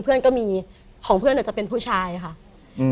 เพื่อนก็มีของเพื่อนอาจจะเป็นผู้ชายค่ะอืม